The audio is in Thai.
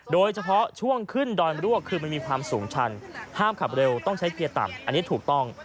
โดยเฉพาะช่วงขึ้นดอยมรวกคือมันมีความสูงชันห้ามขับเร็วต้องใช้เกียร์ต่ำอันนี้ถูกต้อง